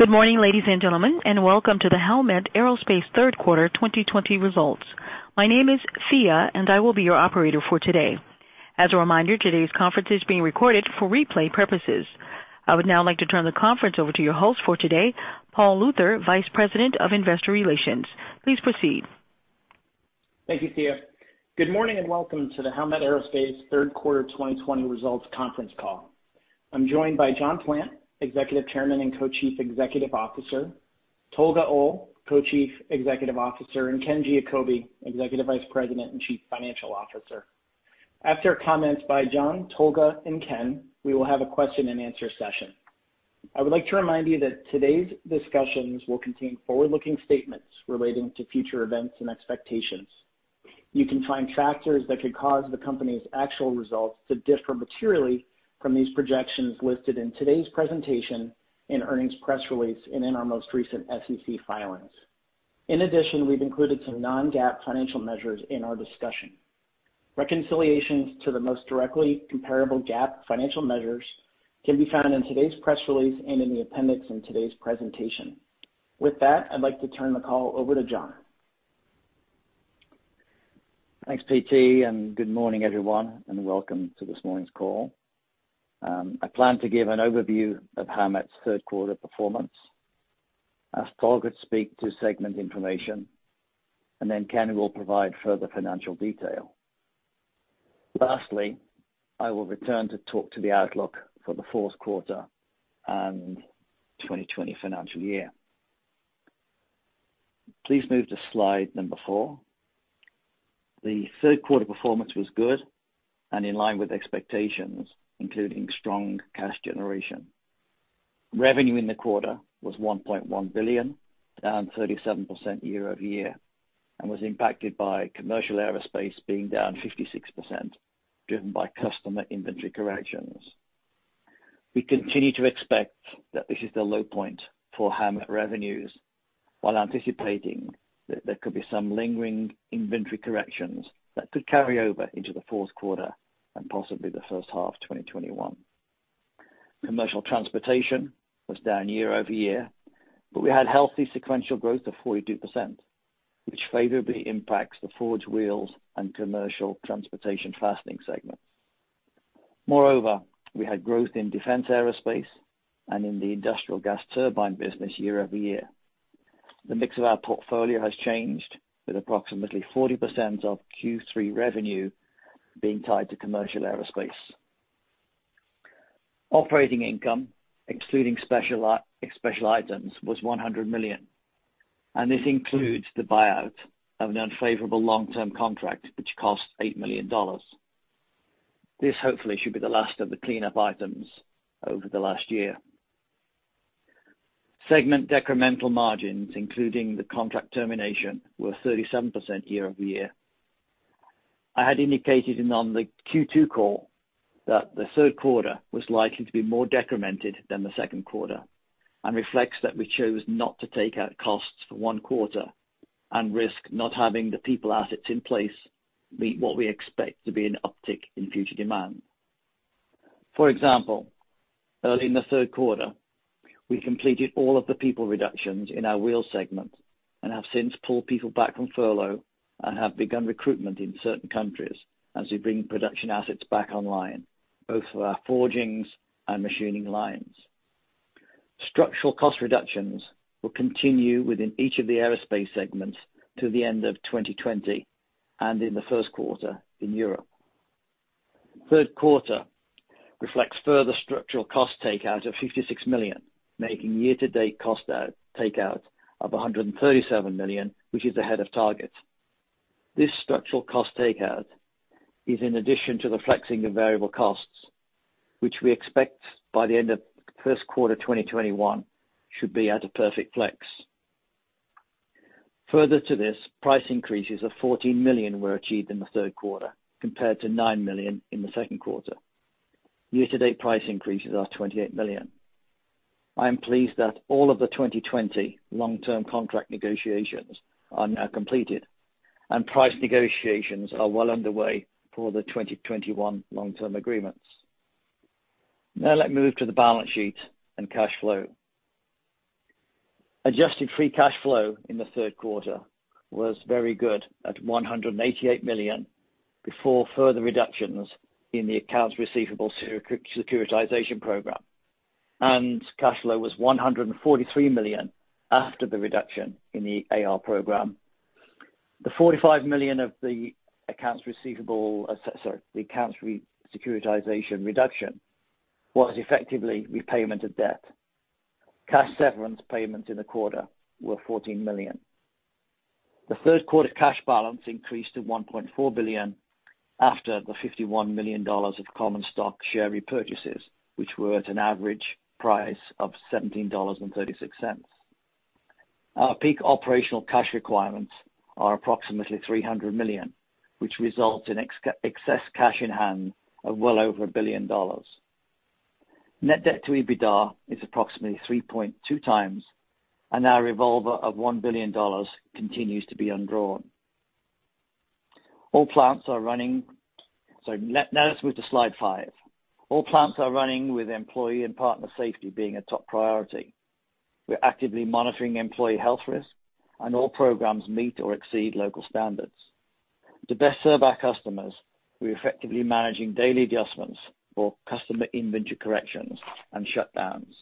Good morning, ladies and gentlemen, and welcome to the Howmet Aerospace third quarter 2020 results. My name is Thea, and I will be your operator for today. As a reminder, today's conference is being recorded for replay purposes. I would now like to turn the conference over to your host for today, Paul Luther, Vice President of Investor Relations. Please proceed. Thank you, Thea. Good morning and welcome to the Howmet Aerospace third quarter 2020 results conference call. I'm joined by John Plant, Executive Chairman and Co-Chief Executive Officer, Tolga Oal, Co-Chief Executive Officer, and Ken Giacobbe, Executive Vice President and Chief Financial Officer. After comments by John, Tolga, and Ken, we will have a question-and-answer session. I would like to remind you that today's discussions will contain forward-looking statements relating to future events and expectations. You can find factors that could cause the company's actual results to differ materially from these projections listed in today's presentation, in earnings press release, and in our most recent SEC filings. In addition, we've included some non-GAAP financial measures in our discussion. Reconciliations to the most directly comparable GAAP financial measures can be found in today's press release and in the appendix in today's presentation. With that, I'd like to turn the call over to John. Thanks, P.T., and good morning, everyone, and welcome to this morning's call. I plan to give an overview of Howmet's third quarter performance. As Tolga speaks, two segments of information, and then Ken will provide further financial detail. Lastly, I will return to talk to the outlook for the fourth quarter and 2020 financial year. Please move to slide number four. The third quarter performance was good and in line with expectations, including strong cash generation. Revenue in the quarter was $1.1 billion, down 37% year-over-year, and was impacted by commercial aerospace being down 56%, driven by customer inventory corrections. We continue to expect that this is the low point for Howmet revenues, while anticipating that there could be some lingering inventory corrections that could carry over into the fourth quarter and possibly the first half of 2021. Commercial transportation was down year-over-year, but we had healthy sequential growth of 42%, which favorably impacts the Forged Wheels and commercial transportation fastening segments. Moreover, we had growth in defense aerospace and in the industrial gas turbine business year-over-year. The mix of our portfolio has changed, with approximately 40% of Q3 revenue being tied to commercial aerospace. Operating income, excluding special items, was $100 million, and this includes the buyout of an unfavorable long-term contract, which cost $8 million. This hopefully should be the last of the cleanup items over the last year. Segment decremental margins, including the contract termination, were 37% year-over-year. I had indicated on the Q2 call that the third quarter was likely to be more decremented than the second quarter and reflects that we chose not to take out costs for one quarter and risk not having the people assets in place meet what we expect to be an uptick in future demand. For example, early in the third quarter, we completed all of the people reductions in our wheel segment and have since pulled people back from furlough and have begun recruitment in certain countries as we bring production assets back online, both for our forgings and machining lines. Structural cost reductions will continue within each of the aerospace segments to the end of 2020 and in the first quarter in Europe. Third quarter reflects further structural cost takeout of $56 million, making year-to-date cost takeout of $137 million, which is ahead of target. This structural cost takeout is in addition to the flexing of variable costs, which we expect by the end of the first quarter 2021 should be at a perfect flex. Further to this, price increases of $14 million were achieved in the third quarter, compared to $9 million in the second quarter. Year-to-date price increases are $28 million. I am pleased that all of the 2020 long-term contract negotiations are now completed, and price negotiations are well underway for the 2021 long-term agreements. Now let me move to the balance sheet and cash flow. Adjusted free cash flow in the third quarter was very good at $188 million before further reductions in the accounts receivable securitization program, and cash flow was $143 million after the reduction in the AR program. The $45 million of the accounts receivable, sorry, the accounts securitization reduction was effectively repayment of debt. Cash severance payments in the quarter were $14 million. The third quarter cash balance increased to $1.4 billion after the $51 million of common stock share repurchases, which were at an average price of $17.36. Our peak operational cash requirements are approximately $300 million, which results in excess cash in hand of well over $1 billion. Net debt to EBITDA is approximately 3.2 times, and our revolver of $1 billion continues to be undrawn. All plants are running, sorry, now let's move to slide five. All plants are running with employee and partner safety being a top priority. We're actively monitoring employee health risk, and all programs meet or exceed local standards. To best serve our customers, we're effectively managing daily adjustments for customer inventory corrections and shutdowns.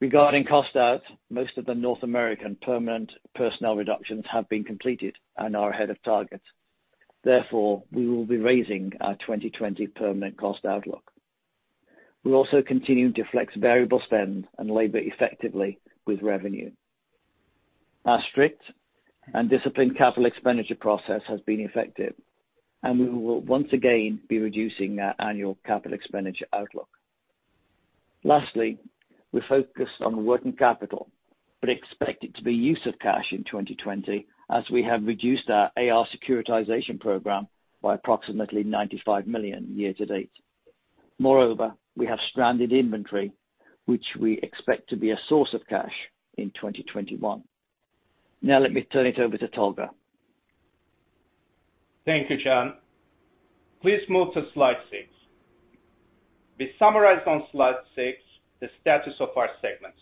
Regarding cost out, most of the North American permanent personnel reductions have been completed and are ahead of target. Therefore, we will be raising our 2020 permanent cost outlook. We'll also continue to flex variable spend and labor effectively with revenue. Our strict and disciplined capital expenditure process has been effective, and we will once again be reducing our annual capital expenditure outlook. Lastly, we're focused on working capital, but expect it to be use of cash in 2020 as we have reduced our AR securitization program by approximately $95 million year-to-date. Moreover, we have stranded inventory, which we expect to be a source of cash in 2021. Now let me turn it over to Tolga. Thank you, John. Please move to slide six. We summarized on slide six the status of our segments.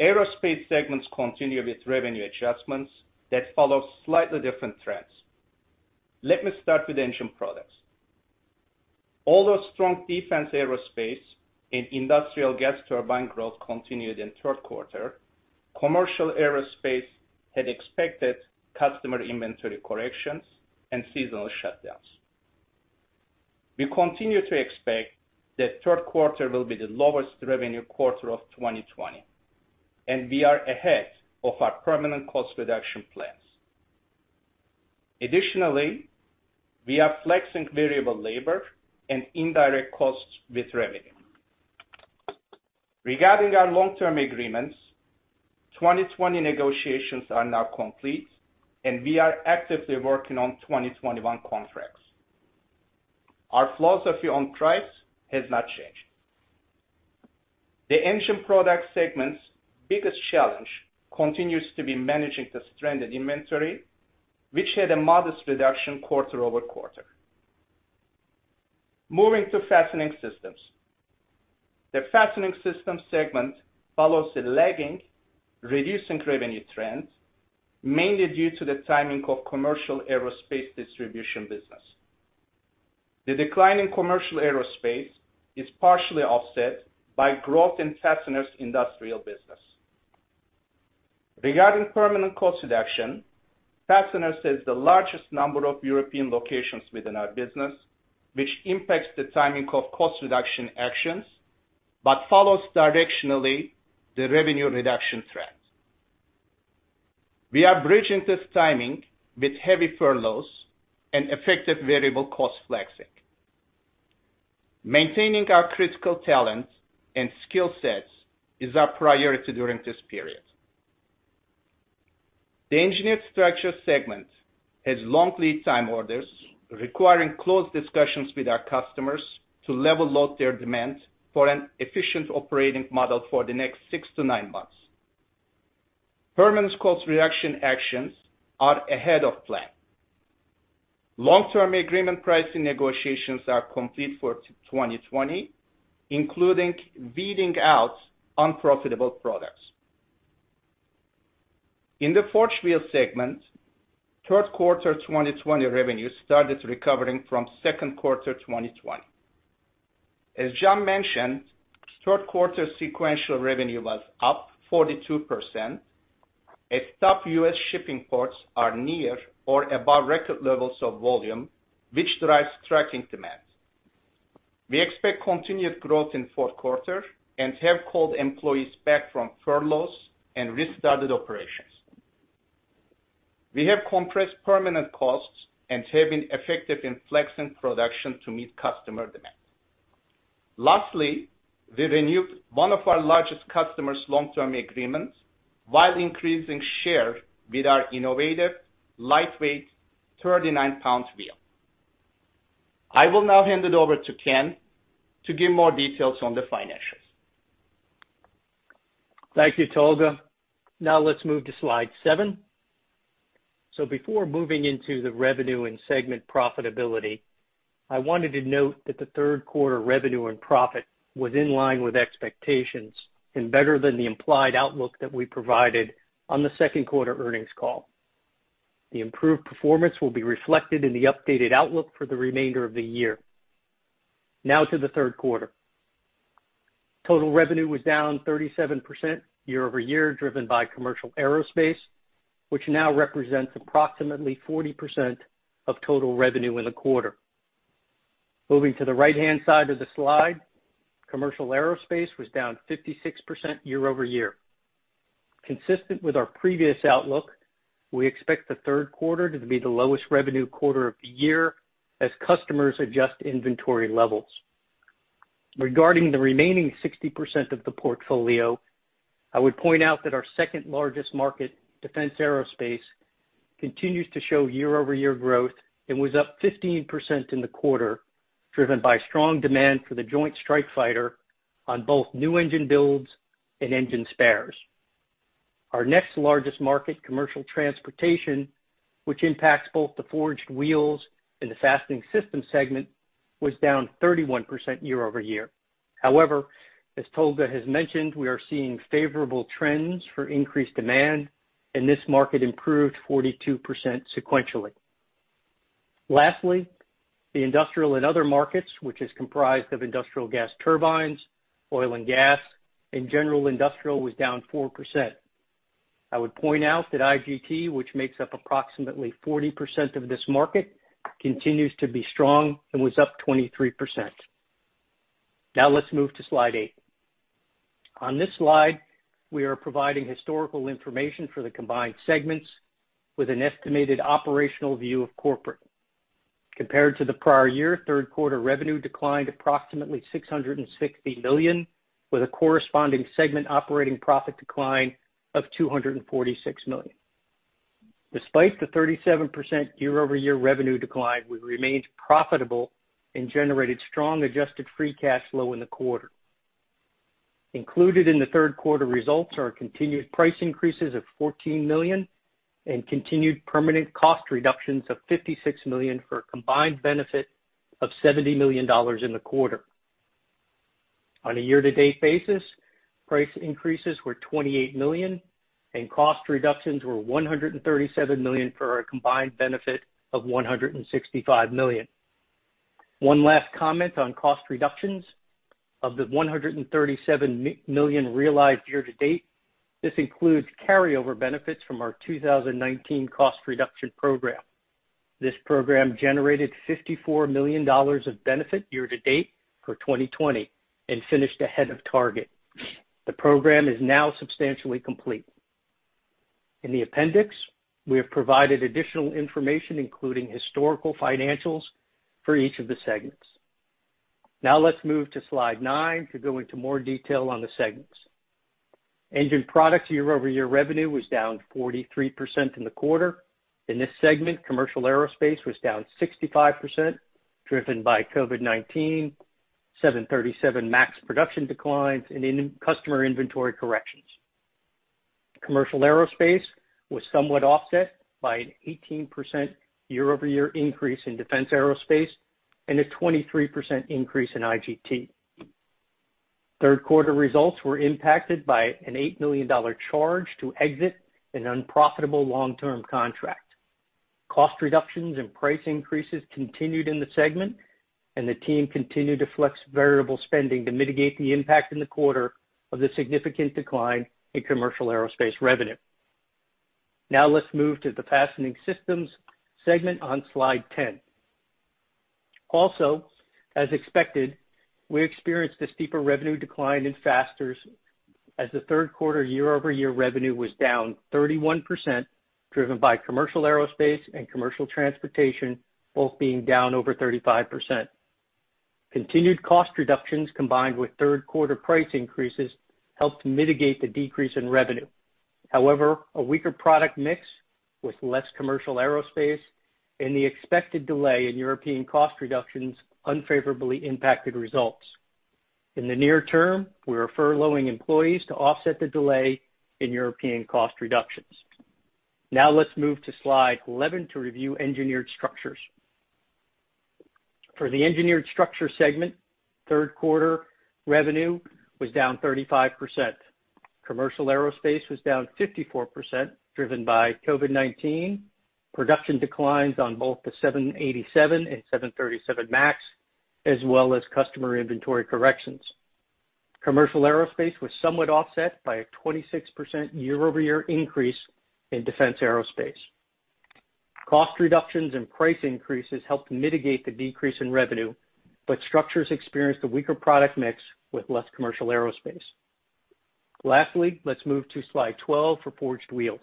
Aerospace segments continue with revenue adjustments that follow slightly different trends. Let me start with the Engine Products. Although strong defense aerospace and industrial gas turbine growth continued in the third quarter, commercial aerospace had expected customer inventory corrections and seasonal shutdowns. We continue to expect that third quarter will be the lowest revenue quarter of 2020, and we are ahead of our permanent cost reduction plans. Additionally, we are flexing variable labor and indirect costs with revenue. Regarding our long-term agreements, 2020 negotiations are now complete, and we are actively working on 2021 contracts. Our philosophy on price has not changed. The Engine Product segment's biggest challenge continues to be managing the stranded inventory, which had a modest reduction quarter over quarter. Moving to Fastening Systems. The Fastening Systems segment follows a lagging, reducing revenue trend, mainly due to the timing of commercial aerospace distribution business. The decline in commercial aerospace is partially offset by growth in fasteners' industrial business. Regarding permanent cost reduction, fasteners has the largest number of European locations within our business, which impacts the timing of cost reduction actions but follows directionally the revenue reduction trend. We are bridging this timing with heavy furloughs and effective variable cost flexing. Maintaining our critical talent and skill sets is our priority during this period. The Engineered Structure segment has long lead time orders requiring close discussions with our customers to level out their demand for an efficient operating model for the next six to nine months. Permanent cost reduction actions are ahead of plan. Long-term agreement pricing negotiations are complete for 2020, including weeding out unprofitable products. In the Forged Wheel segment, third quarter 2020 revenue started recovering from second quarter 2020. As John mentioned, third quarter sequential revenue was up 42%. U.S. shipping ports are near or above record levels of volume, which drives trucking demand. We expect continued growth in fourth quarter and have called employees back from furloughs and restarted operations. We have compressed permanent costs and have been effective in flexing production to meet customer demand. Lastly, we renewed one of our largest customers' long-term agreements while increasing share with our innovative, lightweight 39-pound wheel. I will now hand it over to Ken to give more details on the financials. Thank you, Tolga. Now let's move to slide seven. So before moving into the revenue and segment profitability, I wanted to note that the third quarter revenue and profit was in line with expectations and better than the implied outlook that we provided on the second quarter earnings call. The improved performance will be reflected in the updated outlook for the remainder of the year. Now to the third quarter. Total revenue was down 37% year-over-year, driven by commercial aerospace, which now represents approximately 40% of total revenue in the quarter. Moving to the right-hand side of the slide, commercial aerospace was down 56% year-over-year. Consistent with our previous outlook, we expect the third quarter to be the lowest revenue quarter of the year as customers adjust inventory levels. Regarding the remaining 60% of the portfolio, I would point out that our second largest market, defense aerospace, continues to show year-over-year growth and was up 15% in the quarter, driven by strong demand for the Joint Strike Fighter on both new engine builds and engine spares. Our next largest market, commercial transportation, which impacts both the Forged Wheels and the Fastening Systems segment, was down 31% year-over-year. However, as Tolga has mentioned, we are seeing favorable trends for increased demand, and this market improved 42% sequentially. Lastly, the industrial and other markets, which is comprised of industrial gas turbines, oil and gas, and general industrial, was down 4%. I would point out that IGT, which makes up approximately 40% of this market, continues to be strong and was up 23%. Now let's move to slide eight. On this slide, we are providing historical information for the combined segments with an estimated operational view of corporate. Compared to the prior year, third quarter revenue declined approximately $660 million, with a corresponding segment operating profit decline of $246 million. Despite the 37% year-over-year revenue decline, we remained profitable and generated strong adjusted free cash flow in the quarter. Included in the third quarter results are continued price increases of $14 million and continued permanent cost reductions of $56 million for a combined benefit of $70 million in the quarter. On a year-to-date basis, price increases were $28 million, and cost reductions were $137 million for a combined benefit of $165 million. One last comment on cost reductions: of the $137 million realized year-to-date, this includes carryover benefits from our 2019 cost reduction program. This program generated $54 million of benefit year-to-date for 2020 and finished ahead of target. The program is now substantially complete. In the appendix, we have provided additional information, including historical financials for each of the segments. Now let's move to slide nine to go into more detail on the segments. Engine Product year-over-year revenue was down 43% in the quarter. In this segment, commercial aerospace was down 65%, driven by COVID-19, 737 MAX production declines, and customer inventory corrections. Commercial aerospace was somewhat offset by an 18% year-over-year increase in defense aerospace and a 23% increase in IGT. Third quarter results were impacted by an $8 million charge to exit an unprofitable long-term contract. Cost reductions and price increases continued in the segment, and the team continued to flex variable spending to mitigate the impact in the quarter of the significant decline in commercial aerospace revenue. Now let's move to the Fastening Systems segment on slide 10. Also, as expected, we experienced a steeper revenue decline in fasteners as the third quarter year-over-year revenue was down 31%, driven by commercial aerospace and commercial transportation both being down over 35%. Continued cost reductions combined with third quarter price increases helped mitigate the decrease in revenue. However, a weaker product mix with less commercial aerospace and the expected delay in European cost reductions unfavorably impacted results. In the near term, we are furloughing employees to offset the delay in European cost reductions. Now let's move to slide 11 to review Engineered Structures. For the Engineered Structure segment, third quarter revenue was down 35%. Commercial aerospace was down 54%, driven by COVID-19, production declines on both the 787 and 737 MAX, as well as customer inventory corrections. Commercial aerospace was somewhat offset by a 26% year-over-year increase in defense aerospace. Cost reductions and price increases helped mitigate the decrease in revenue, but structures experienced a weaker product mix with less commercial aerospace. Lastly, let's move to slide 12 for Forged Wheels.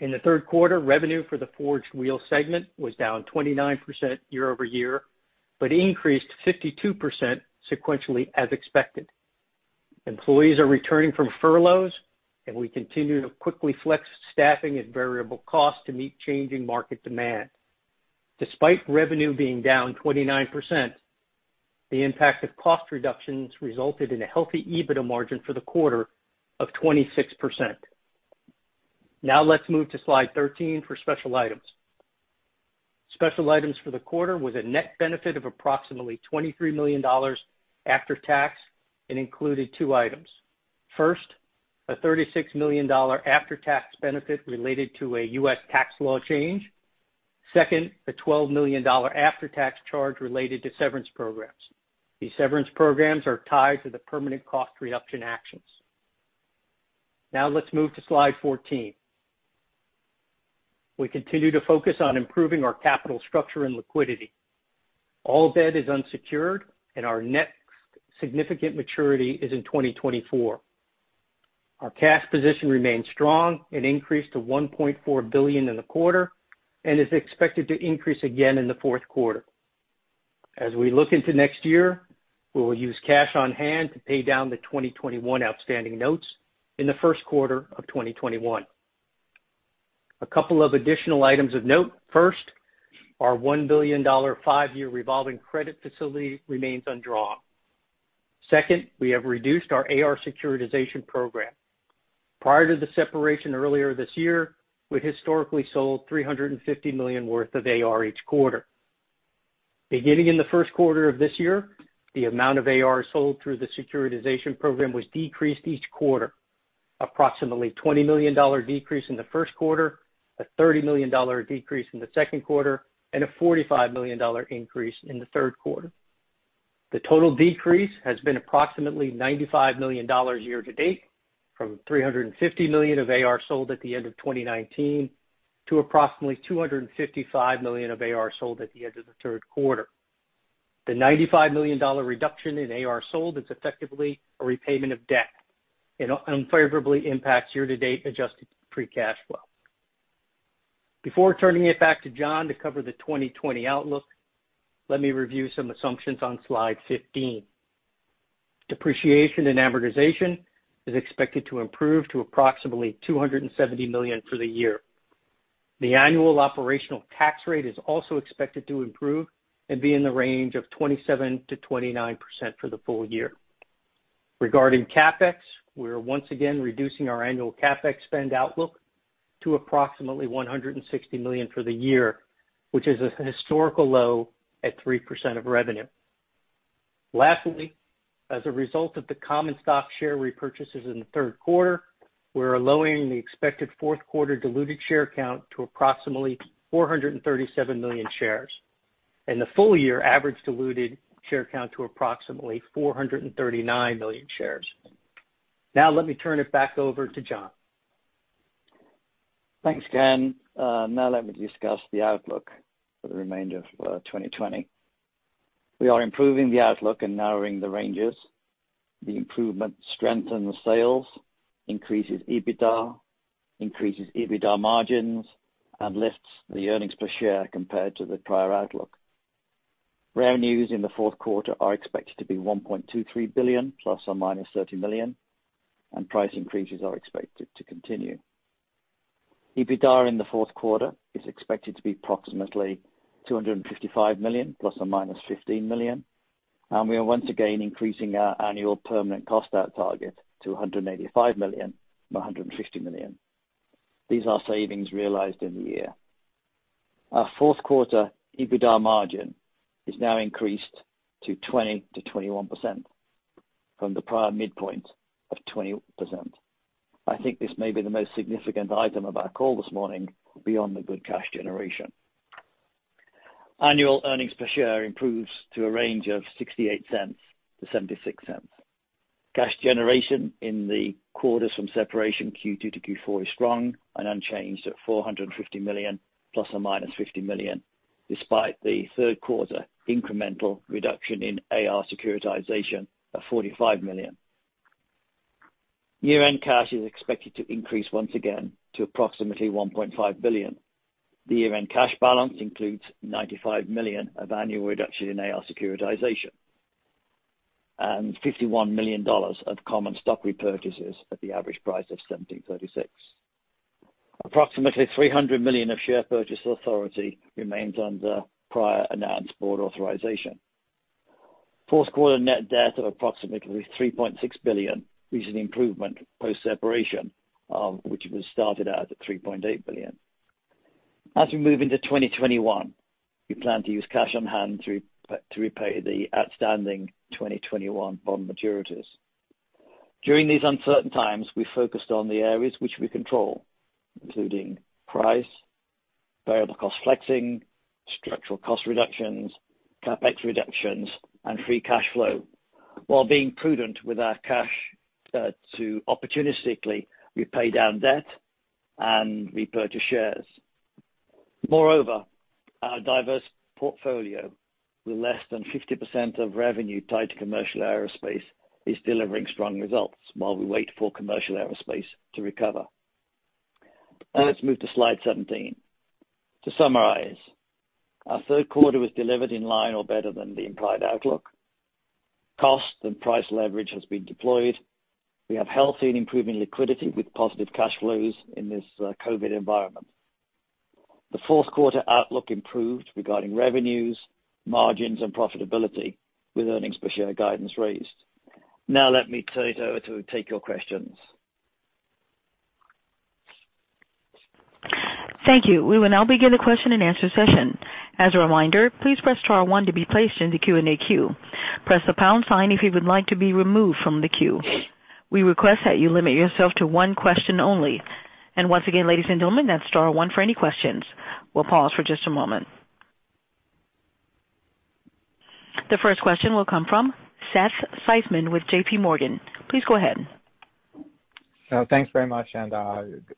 In the third quarter, revenue for the Forged Wheel segment was down 29% year-over-year but increased 52% sequentially as expected. Employees are returning from furloughs, and we continue to quickly flex staffing at variable cost to meet changing market demand. Despite revenue being down 29%, the impact of cost reductions resulted in a healthy EBITDA margin for the quarter of 26%. Now let's move to slide 13 for special items. Special items for the quarter was a net benefit of approximately $23 million after tax and included two items. First, a $36 million after-tax benefit related to a U.S. tax law change. Second, a $12 million after-tax charge related to severance programs. These severance programs are tied to the permanent cost reduction actions. Now let's move to slide 14. We continue to focus on improving our capital structure and liquidity. All debt is unsecured, and our next significant maturity is in 2024. Our cash position remains strong and increased to $1.4 billion in the quarter and is expected to increase again in the fourth quarter. As we look into next year, we will use cash on hand to pay down the 2021 outstanding notes in the first quarter of 2021. A couple of additional items of note. First, our $1 billion five-year revolving credit facility remains undrawn. Second, we have reduced our AR securitization program. Prior to the separation earlier this year, we historically sold $350 million worth of AR each quarter. Beginning in the first quarter of this year, the amount of AR sold through the securitization program was decreased each quarter, approximately a $20 million decrease in the first quarter, a $30 million decrease in the second quarter, and a $45 million increase in the third quarter. The total decrease has been approximately $95 million year-to-date from $350 million of AR sold at the end of 2019 to approximately $255 million of AR sold at the end of the third quarter. The $95 million reduction in AR sold is effectively a repayment of debt and unfavorably impacts year-to-date adjusted free cash flow. Before turning it back to John to cover the 2020 outlook, let me review some assumptions on slide 15. Depreciation and amortization is expected to improve to approximately $270 million for the year. The annual operational tax rate is also expected to improve and be in the range of 27%-29% for the full year. Regarding CapEx, we are once again reducing our annual CapEx spend outlook to approximately $160 million for the year, which is a historical low at 3% of revenue. Lastly, as a result of the common stock share repurchases in the third quarter, we are lowering the expected fourth quarter diluted share count to approximately 437 million shares and the full-year average diluted share count to approximately 439 million shares. Now let me turn it back over to John. Thanks, Ken. Now let me discuss the outlook for the remainder of 2020. We are improving the outlook and narrowing the ranges. The improvement strengthens sales, increases EBITDA, increases EBITDA margins, and lifts the earnings per share compared to the prior outlook. Revenues in the fourth quarter are expected to be $1.23 billion ±$30 million, and price increases are expected to continue. EBITDA in the fourth quarter is expected to be approximately $255 million ±$15 million, and we are once again increasing our annual permanent cost out target to $185 million and $150 million. These are savings realized in the year. Our fourth quarter EBITDA margin is now increased to 20%-21% from the prior midpoint of 20%. I think this may be the most significant item of our call this morning. Beyond the good cash generation. Annual earnings per share improves to a range of $0.68-$0.76. Cash generation in the quarters from separation Q2 to Q4 is strong and unchanged at $450 million ±$50 million, despite the third quarter incremental reduction in AR securitization of $45 million. Year-end cash is expected to increase once again to approximately $1.5 billion. The year-end cash balance includes $95 million of annual reduction in AR securitization and $51 million of common stock repurchases at the average price of $17.36. Approximately $300 million of share purchase authority remains under prior announced board authorization. Fourth quarter net debt of approximately $3.6 billion is an improvement post-separation, which was started out at $3.8 billion. As we move into 2021, we plan to use cash on hand to repay the outstanding 2021 bond maturities. During these uncertain times, we focused on the areas which we control, including price, variable cost flexing, structural cost reductions, CapEx reductions, and free cash flow, while being prudent with our cash to opportunistically repay down debt and repurchase shares. Moreover, our diverse portfolio with less than 50% of revenue tied to commercial aerospace is delivering strong results while we wait for commercial aerospace to recover. Let's move to slide 17. To summarize, our third quarter was delivered in line or better than the implied outlook. Cost and price leverage has been deployed. We have healthy and improving liquidity with positive cash flows in this COVID environment. The fourth quarter outlook improved regarding revenues, margins, and profitability with earnings per share guidance raised. Now let me turn it over to take your questions. Thank you. We will now begin the question and answer session. As a reminder, please press star one to be placed in the Q&A queue. Press the pound sign if you would like to be removed from the queue. We request that you limit yourself to one question only. And once again, ladies and gentlemen, that's star one for any questions. We'll pause for just a moment. The first question will come from Seth Seifman with JPMorgan. Please go ahead. Thanks very much, and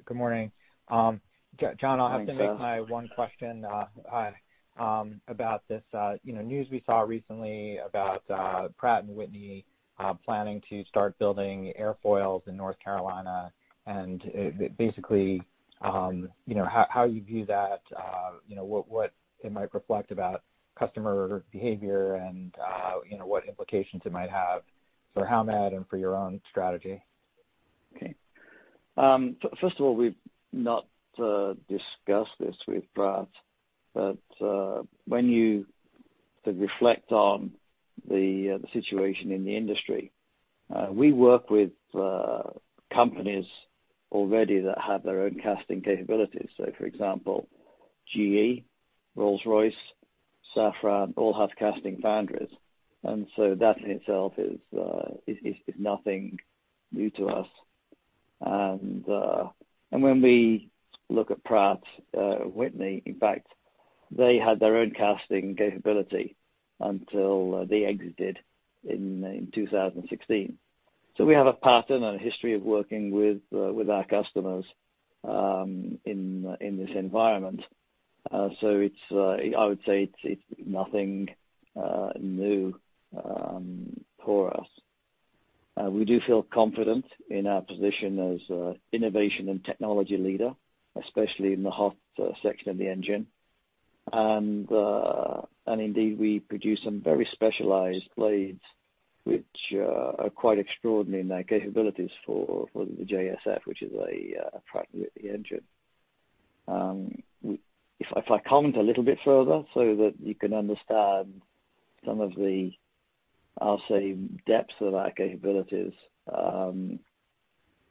good morning. John, I'll have to make my one question about this news we saw recently about Pratt & Whitney planning to start building airfoils in North Carolina, and basically, how you view that, what it might reflect about customer behavior, and what implications it might have for Howmet and for your own strategy. Okay. First of all, we've not discussed this with Pratt, but when you reflect on the situation in the industry, we work with companies already that have their own casting capabilities. So, for example, GE, Rolls-Royce, Safran all have casting foundries. And so that in itself is nothing new to us. And when we look at Pratt & Whitney, in fact, they had their own casting capability until they exited in 2016. So we have a pattern and a history of working with our customers in this environment. So I would say it's nothing new for us. We do feel confident in our position as an innovation and technology leader, especially in the hot section of the engine. And indeed, we produce some very specialized blades which are quite extraordinary in their capabilities for the JSF, which is a Pratt & Whitney engine. If I comment a little bit further so that you can understand some of the, I'll say, depths of our capabilities,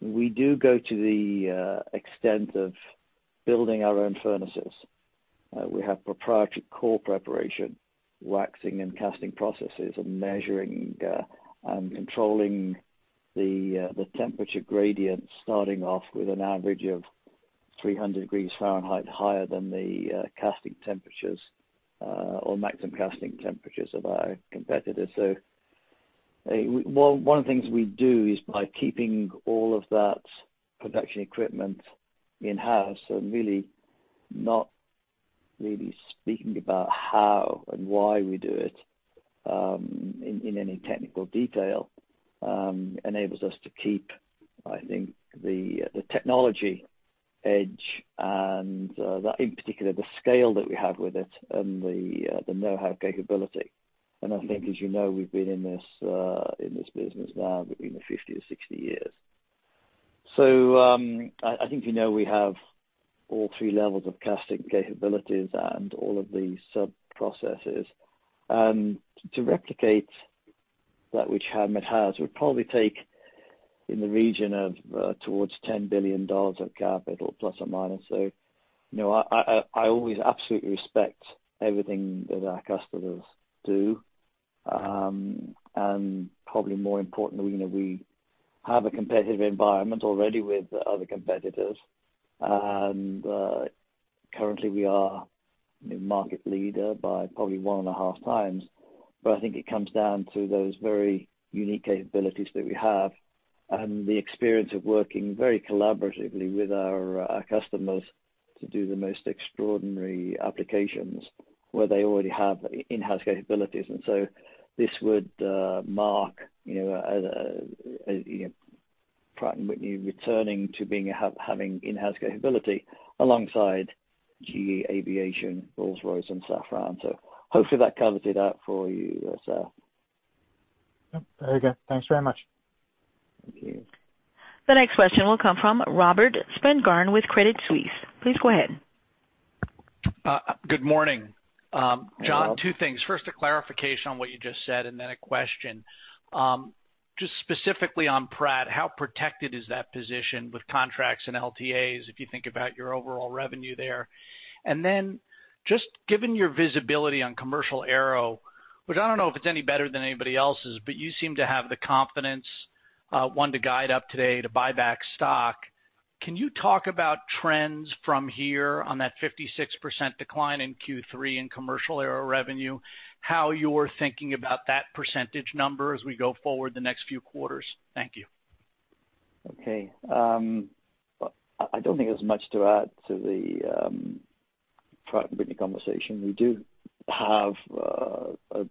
we do go to the extent of building our own furnaces. We have proprietary core preparation, waxing and casting processes, and measuring and controlling the temperature gradient, starting off with an average of 300 degrees Fahrenheit higher than the casting temperatures or maximum casting temperatures of our competitors. So one of the things we do is by keeping all of that production equipment in-house and really not speaking about how and why we do it in any technical detail enables us to keep, I think, the technology edge and, in particular, the scale that we have with it and the know-how capability. And I think, as you know, we've been in this business now between 50 and 60 years. So I think we know we have all three levels of casting capabilities and all of these sub-processes. And to replicate that which Howmet has would probably take in the region of towards $10 billion of capital ±. So I always absolutely respect everything that our customers do. And probably more importantly, we have a competitive environment already with other competitors. And currently, we are a market leader by probably one and a half times. But I think it comes down to those very unique capabilities that we have and the experience of working very collaboratively with our customers to do the most extraordinary applications where they already have in-house capabilities. And so this would mark Pratt & Whitney returning to having in-house capability alongside GE Aviation, Rolls-Royce, and Safran. So hopefully that covers it for you, Seth. Yep. Thanks very much. Thank you. The next question will come from Robert Spingarn with Credit Suisse. Please go ahead. Good morning. John, two things. First, a clarification on what you just said, and then a question. Just specifically on Pratt, how protected is that position with contracts and LTAs if you think about your overall revenue there? And then just given your visibility on commercial aero, which I don't know if it's any better than anybody else's, but you seem to have the confidence, want to guide up today to buy back stock. Can you talk about trends from here on that 56% decline in Q3 in commercial aero revenue, how you're thinking about that percentage number as we go forward the next few quarters? Thank you. Okay. I don't think there's much to add to the Pratt & Whitney conversation. We do have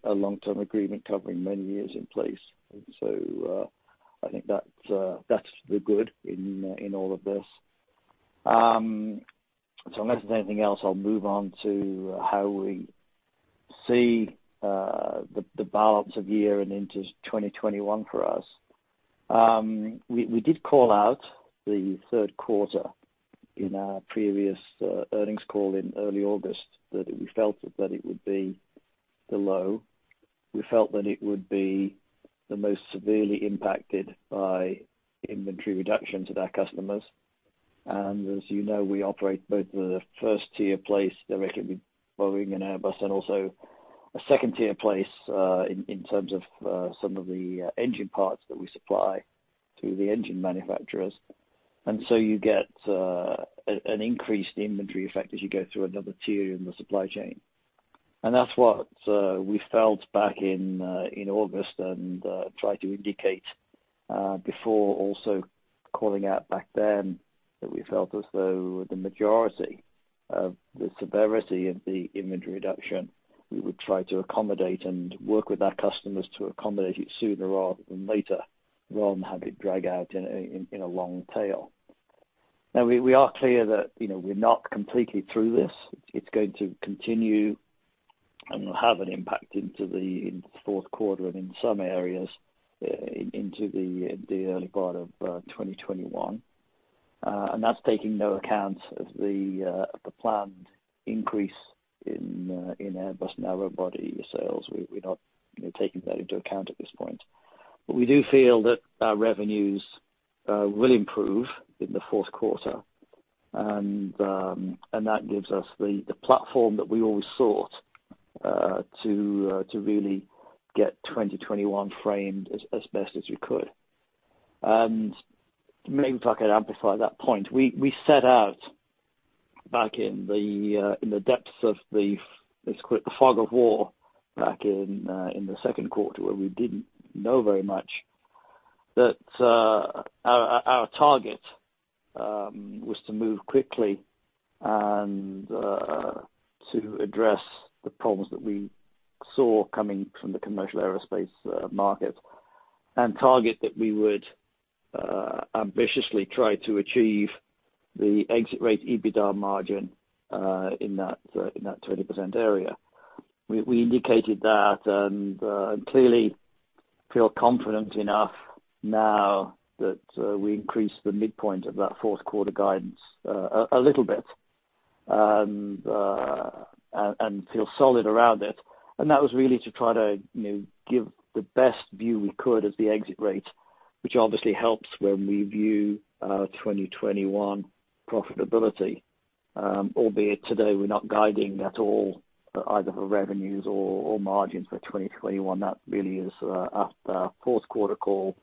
a long-term agreement covering many years in place. And so I think that's the good in all of this. So unless there's anything else, I'll move on to how we see the balance of year and into 2021 for us. We did call out the third quarter in our previous earnings call in early August, that we felt that it would be the low. We felt that it would be the most severely impacted by inventory reductions at our customers. And as you know, we operate both the first-tier supplier directly with Boeing and Airbus and also a second-tier supplier in terms of some of the engine parts that we supply to the engine manufacturers. And so you get an increased inventory effect as you go through another tier in the supply chain. That's what we felt back in August and tried to indicate before, also calling out back then that we felt as though the majority of the severity of the inventory reduction we would try to accommodate and work with our customers to accommodate it sooner rather than later rather than have it drag out in a long tail. Now, we are clear that we're not completely through this. It's going to continue and will have an impact into the fourth quarter and in some areas into the early part of 2021. And that's taking no account of the planned increase in Airbus and narrow-body sales. We're not taking that into account at this point. But we do feel that our revenues will improve in the fourth quarter. And that gives us the platform that we always sought to really get 2021 framed as best as we could. And maybe if I could amplify that point, we set out back in the depths of the fog of war back in the second quarter where we didn't know very much that our target was to move quickly and to address the problems that we saw coming from the commercial aerospace market and target that we would ambitiously try to achieve the exit rate EBITDA margin in that 20% area. We indicated that and clearly feel confident enough now that we increased the midpoint of that fourth quarter guidance a little bit and feel solid around it. And that was really to try to give the best view we could of the exit rate, which obviously helps when we view 2021 profitability, albeit today we're not guiding at all either for revenues or margins for 2021. That really is after a fourth quarter call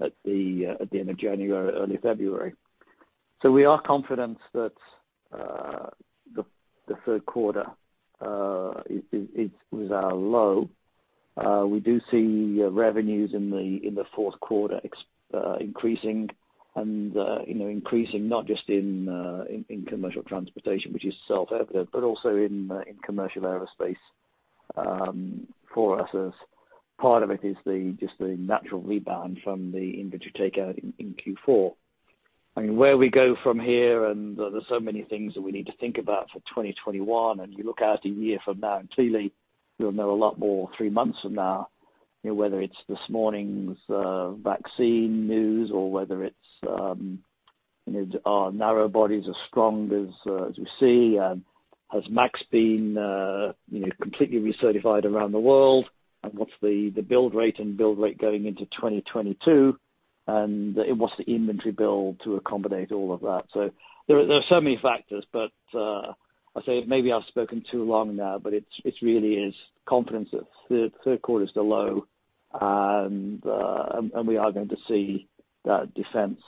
at the end of January, early February. So we are confident that the third quarter was our low. We do see revenues in the fourth quarter increasing and increasing not just in commercial transportation, which is self-evident, but also in commercial aerospace for us as part of it is just the natural rebound from the inventory takeout in Q4. I mean, where we go from here and there's so many things that we need to think about for 2021. And you look out a year from now and clearly we'll know a lot more three months from now, whether it's this morning's vaccine news or whether it's our narrow bodies as strong as we see and has MAX been completely recertified around the world and what's the build rate and build rate going into 2022 and what's the inventory build to accommodate all of that. So there are so many factors, but I say maybe I've spoken too long now, but it really is confidence that the third quarter is the low. And we are going to see that defense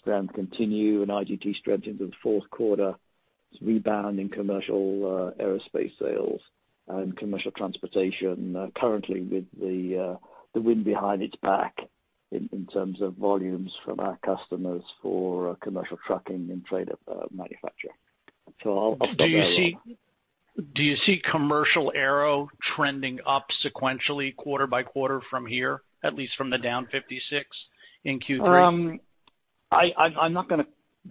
strength continue and IGT strength into the fourth quarter, rebound in commercial aerospace sales and commercial transportation currently with the wind behind its back in terms of volumes from our customers for commercial trucking and trade manufacturing. So I'll put that out. Do you see commercial aero trending up sequentially quarter by quarter from here, at least from the down 56% in Q3? I'm not going to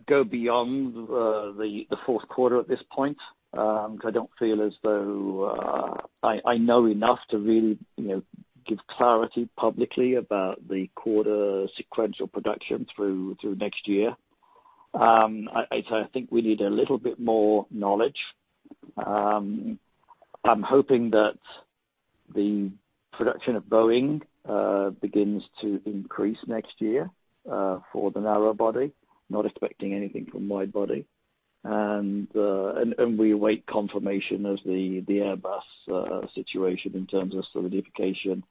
go beyond the fourth quarter at this point because I don't feel as though I know enough to really give clarity publicly about the quarter sequential production through next year. So I think we need a little bit more knowledge. I'm hoping that the production of Boeing begins to increase next year for the narrow body, not expecting anything from wide body. We await confirmation of the Airbus situation in terms of solidification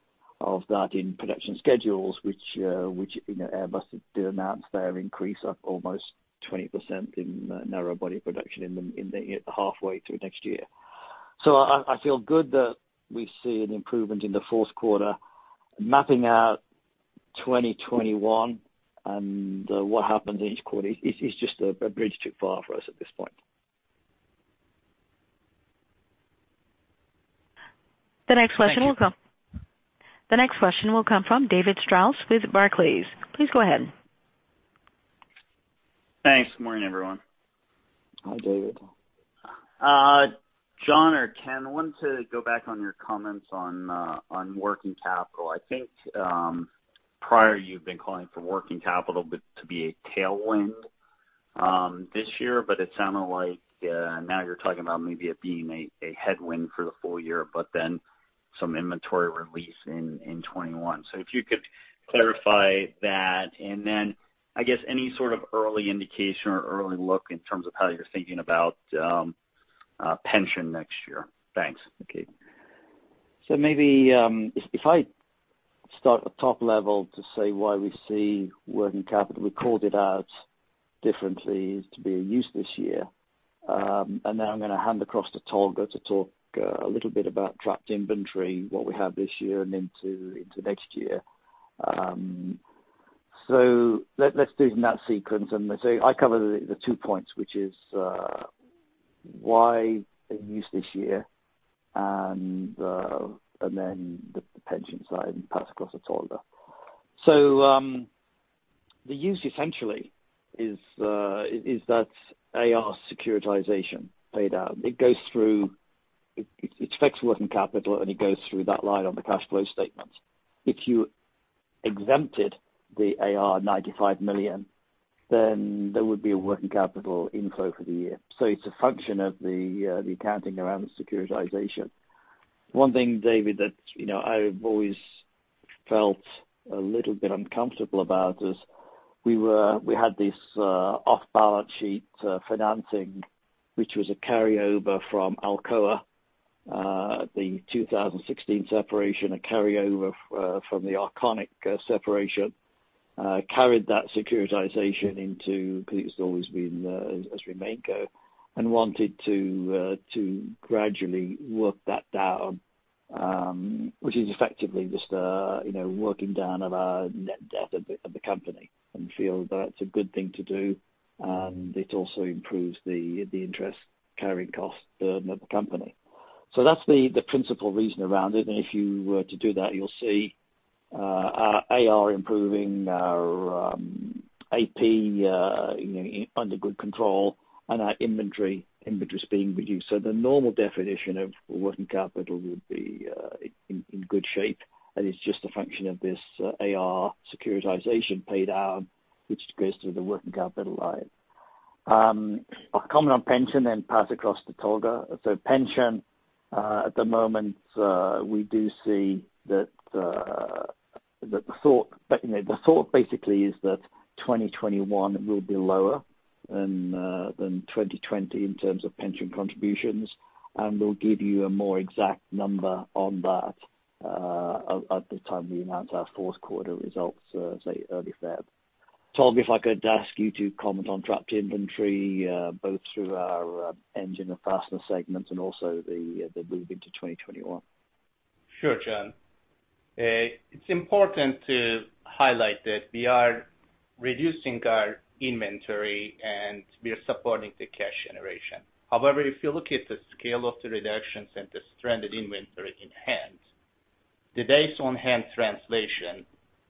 of that in production schedules, which Airbus did announce their increase of almost 20% in narrow body production halfway through next year. So I feel good that we see an improvement in the fourth quarter. Mapping out 2021 and what happens in each quarter is just a bridge too far for us at this point. The next question will come from David Strauss with Barclays. Please go ahead. Thanks. Good morning, everyone. Hi, David. John or Ken, I wanted to go back on your comments on working capital. I think prior you've been calling for working capital to be a tailwind this year, but it sounded like now you're talking about maybe it being a headwind for the full year, but then some inventory release in 2021, so if you could clarify that and then I guess any sort of early indication or early look in terms of how you're thinking about pension next year. Thanks. Okay. So maybe if I start at top level to say why we see working capital, we called it out differently to be a use this year. Now I'm going to hand across to Tolga to talk a little bit about stranded inventory, what we have this year and into next year. Let's do it in that sequence. I cover the two points, which is why a use this year and then the pension side and pass across to Tolga. The use essentially is that AR securitization paid out. It goes through its fixed working capital and it goes through that line on the cash flow statement. If you exempted the AR $95 million, then there would be a working capital inflow for the year. It's a function of the accounting around the securitization. One thing, David, that I've always felt a little bit uncomfortable about is we had this off-balance sheet financing, which was a carryover from Alcoa, the 2016 separation, a carryover from the Arconic separation, carried that securitization into because it's always been a remaining goal and wanted to gradually work that down, which is effectively just working down our net debt of the company and feel that's a good thing to do. And it also improves the interest carrying cost burden of the company. So that's the principal reason around it. And if you were to do that, you'll see our AR improving, our AP under good control, and our inventory is being reduced. So the normal definition of working capital would be in good shape. And it's just a function of this AR securitization paid out, which goes through the working capital line. I'll comment on pension and pass across to Tolga. So pension, at the moment, we do see that the thought basically is that 2021 will be lower than 2020 in terms of pension contributions. And we'll give you a more exact number on that at the time we announce our fourth quarter results, say, early February. Tolga, if I could ask you to comment on stranded inventory, both through our engine and fastener segments and also the move into 2021. Sure, John. It's important to highlight that we are reducing our inventory and we're supporting the cash generation. However, if you look at the scale of the reductions and the stranded inventory in hand, the days on hand translation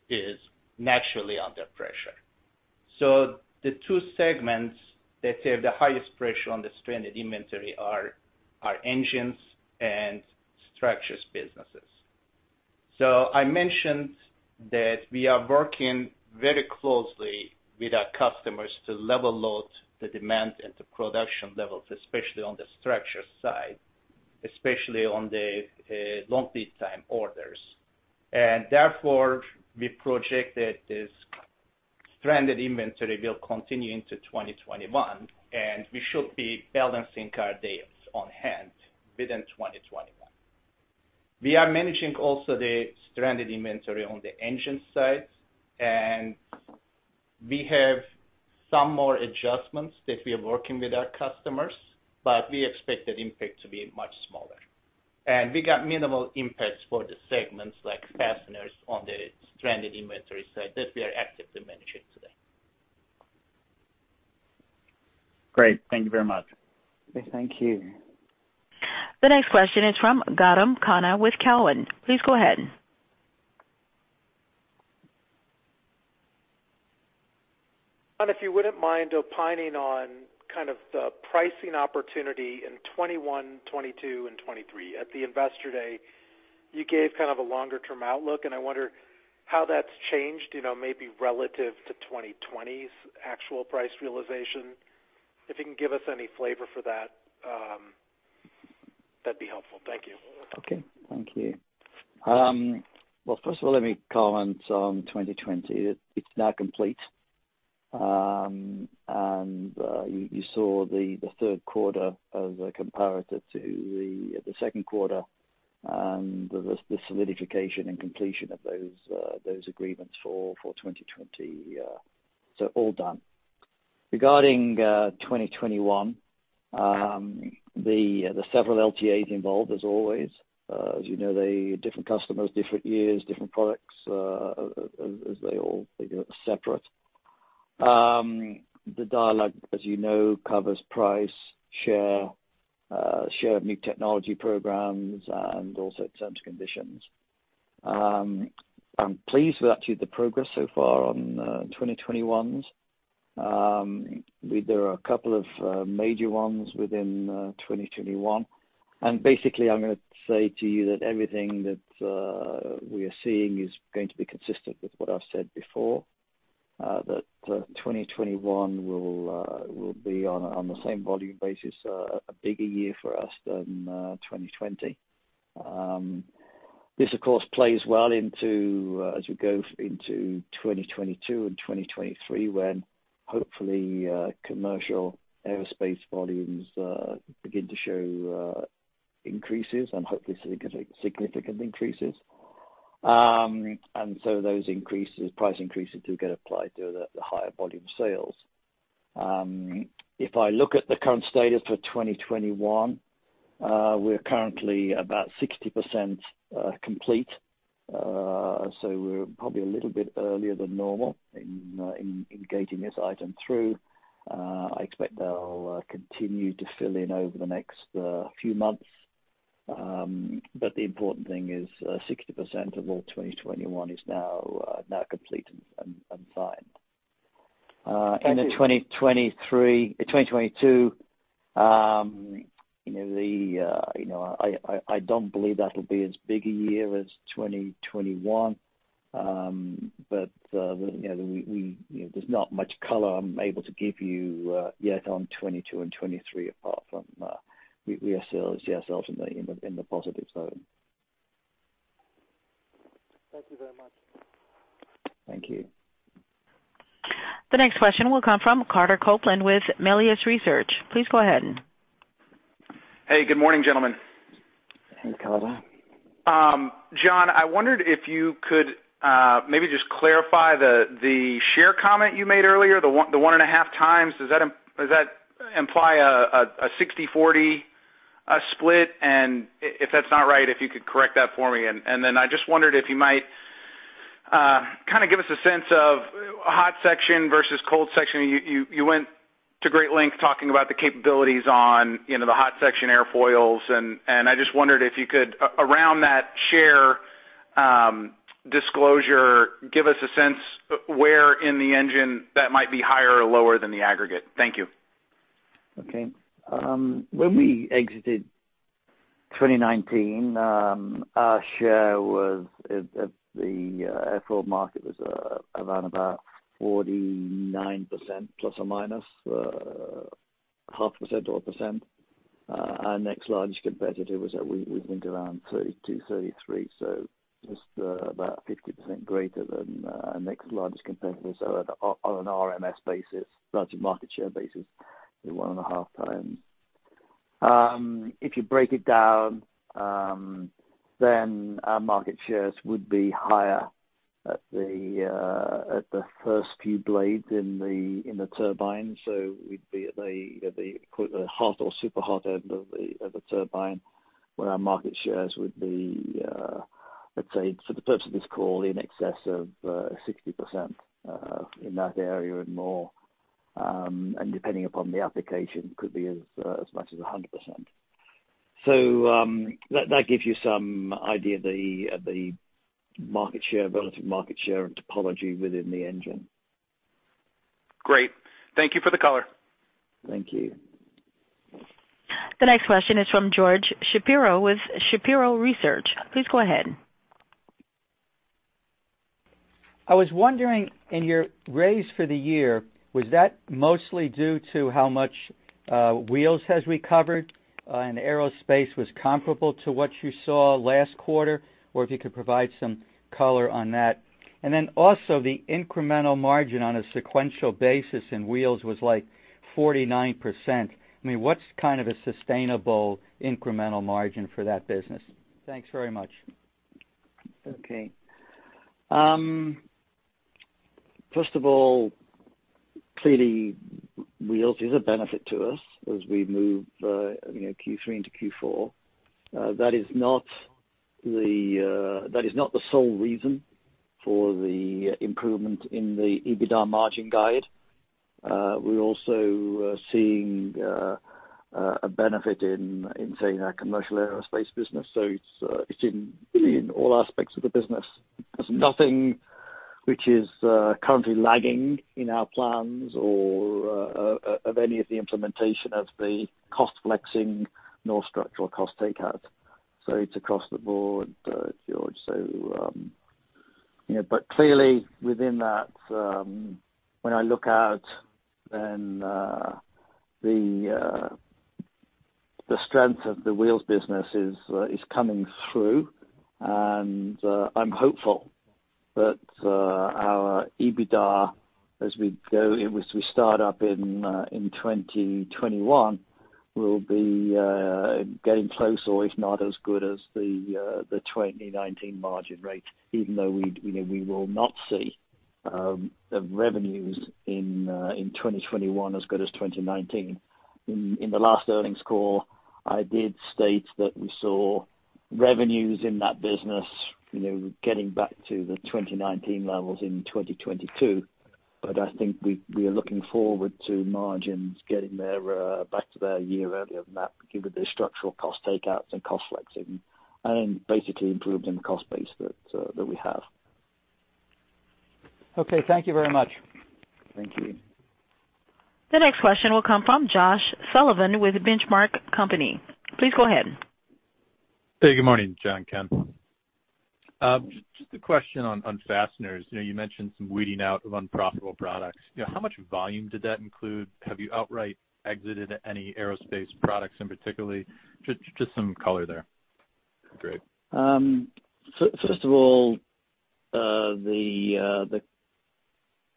is naturally under pressure, so the two segments that have the highest pressure on the stranded inventory are engines and structures businesses. So I mentioned that we are working very closely with our customers to level load the demand and the production levels, especially on the structure side, especially on the long lead time orders, and therefore we projected this stranded inventory will continue into 2021, and we should be balancing our days on hand within 2021. We are managing also the stranded inventory on the engine side, and we have some more adjustments that we are working with our customers, but we expect that impact to be much smaller. We got minimal impacts for the segments like fasteners on the stranded inventory side that we are active to manage it today. Great. Thank you very much. Thank you. The next question is from Gautam Khanna with Cowen. Please go ahead. John, if you wouldn't mind opining on kind of the pricing opportunity in 2021, 2022, and 2023. At the investor day, you gave kind of a longer-term outlook, and I wonder how that's changed, maybe relative to 2020's actual price realization. If you can give us any flavor for that, that'd be helpful. Thank you. Okay. Thank you. Well, first of all, let me comment on 2020. It's now complete, and you saw the third quarter as a comparator to the second quarter and the solidification and completion of those agreements for 2020, so all done. Regarding 2021, the several LTAs involved, as always. As you know, the different customers, different years, different products, as they all are separate. The dialogue, as you know, covers price, share, share of new technology programs, and also terms and conditions. I'm pleased with actually the progress so far on 2021's. There are a couple of major ones within 2021, and basically, I'm going to say to you that everything that we are seeing is going to be consistent with what I've said before, that 2021 will be on the same volume basis, a bigger year for us than 2020. This, of course, plays well into as we go into 2022 and 2023, when hopefully commercial aerospace volumes begin to show increases and hopefully significant increases, and so those increases, price increases do get applied to the higher volume sales. If I look at the current status for 2021, we're currently about 60% complete, so we're probably a little bit earlier than normal in getting this item through. I expect they'll continue to fill in over the next few months, but the important thing is 60% of all 2021 is now complete and signed. In 2022, I don't believe that'll be as big a year as 2021, but there's not much color I'm able to give you yet on 2022 and 2023 apart from we are still, yes, ultimately in the positive zone. Thank you very much. Thank you. The next question will come from Carter Copeland with Melius Research. Please go ahead. Hey, good morning, gentlemen. Hey, Carter. John, I wondered if you could maybe just clarify the share comment you made earlier, the one and a half times. Does that imply a 60/40 split? And if that's not right, if you could correct that for me. And then I just wondered if you might kind of give us a sense of hot section versus cold section. You went to great length talking about the capabilities on the hot section airfoils. And I just wondered if you could, around that share disclosure, give us a sense where in the engine that might be higher or lower than the aggregate. Thank you. Okay. When we exited 2019, our share was at the airfoil market was around about 49% ±0.5% or 1%. Our next largest competitor was at, we think, around 32-33%, so just about 50% greater than our next largest competitor. So on an OEM basis, large market share basis, it's one and a half times. If you break it down, then our market shares would be higher at the first few blades in the turbine. So we'd be at the hot or super hot end of the turbine, where our market shares would be, let's say, for the purpose of this call, in excess of 60% in that area and more. And depending upon the application, could be as much as 100%. So that gives you some idea of the market share, relative market share and typology within the engine. Great. Thank you for the color. Thank you. The next question is from George Shapiro with Shapiro Research. Please go ahead. I was wondering, in your raise for the year, was that mostly due to how much wheels has recovered and aerospace was comparable to what you saw last quarter, or if you could provide some color on that? And then also, the incremental margin on a sequential basis in wheels was like 49%. I mean, what's kind of a sustainable incremental margin for that business? Thanks very much. Okay. First of all, clearly, wheels is a benefit to us as we move Q3 into Q4. That is not the sole reason for the improvement in the EBITDA margin guide. We're also seeing a benefit in, say, our commercial aerospace business. So it's in all aspects of the business. There's nothing which is currently lagging in our plans or of any of the implementation of the cost flexing nor structural cost takeouts. So it's across the board, George. But clearly, within that, when I look out, then the strength of the wheels business is coming through. And I'm hopeful that our EBITDA, as we start up in 2021, will be getting close, or if not, as good as the 2019 margin rate, even though we will not see revenues in 2021 as good as 2019. In the last earnings call, I did state that we saw revenues in that business getting back to the 2019 levels in 2022. But I think we are looking forward to margins getting back to that year earlier than that, given the structural cost takeouts and cost flexing, and then basically improving the cost base that we have. Okay. Thank you very much. Thank you. The next question will come from Josh Sullivan with Benchmark Company. Please go ahead. Hey, good morning, John, Ken. Just a question on fasteners. You mentioned some weeding out of unprofitable products. How much volume did that include? Have you outright exited any aerospace products in particular? Just some color there. Great. First of all, I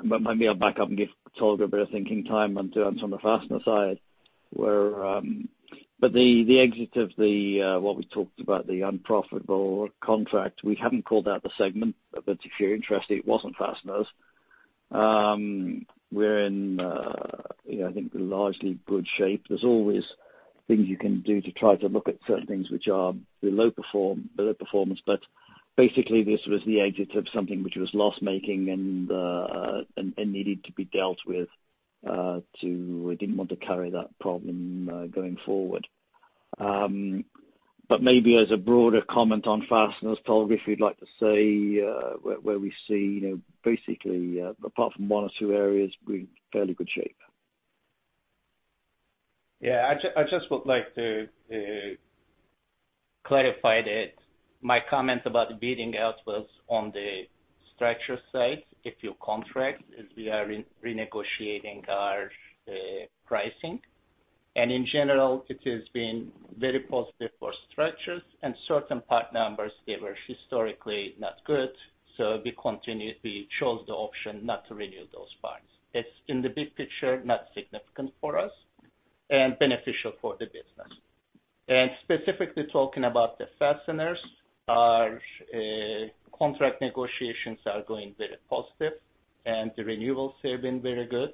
might be able to back up and give Tolga a bit of thinking time on the fastener side. But the exit of what we talked about, the unprofitable contract, we haven't called out the segment. But if you're interested, it wasn't fasteners. We're in, I think, largely good shape. There's always things you can do to try to look at certain things which are below performance. But basically, this was the exit of something which was loss-making and needed to be dealt with. We didn't want to carry that problem going forward. But maybe as a broader comment on fasteners, Tolga, if you'd like to say where we see, basically, apart from one or two areas, we're in fairly good shape. Yeah. I just would like to clarify that my comment about the weeding out was on the structures side of the contract, as we are renegotiating our pricing. And in general, it has been very positive for structures, and certain part numbers, they were historically not good. So we chose the option not to renew those parts. It's, in the big picture, not significant for us and beneficial for the business. And specifically talking about the fasteners, our contract negotiations are going very positive, and the renewals have been very good.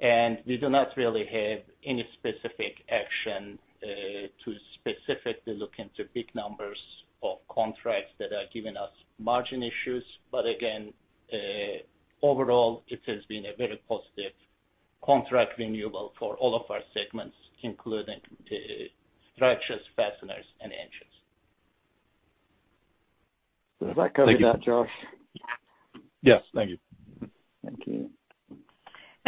And we do not really have any specific action to specifically look into big numbers of contracts that are giving us margin issues. But again, overall, it has been a very positive contract renewal for all of our segments, including structures, fasteners, and engines. Would that cover that, Josh? Yes. Thank you. Thank you.